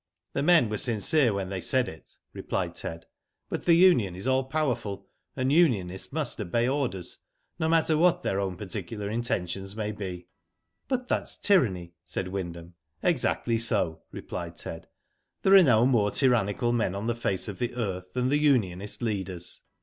"The men were sincere when they said it," replied Ted ;" but the union is all powerful, and unionists must obey orders, no matter what their own particular intentions may be." "But that's tyranny," said Wyndham. '/Exactly so," replied Ted. "There are no more tyrannical men on the face of the earth than the unionist leaders.